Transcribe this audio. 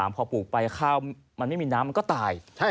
พอปลูกไปข้าวมันไม่มีน้ำมันก็ตาย